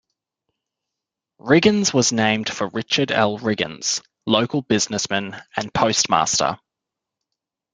Riggins was named for Richard L. Riggins, local businessman and postmaster.